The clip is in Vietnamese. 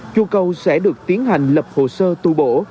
chùa cầu sẽ được tiến hành lập hồ sơ tu bổ